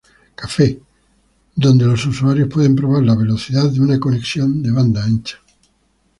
Cafe, donde los usuarios pueden probar la velocidad de una conexión de banda ancha.